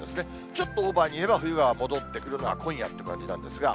ちょっとオーバーに言えば、冬が戻ってくるのは今夜という感じなんですが。